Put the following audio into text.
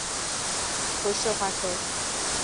蒲氏花楸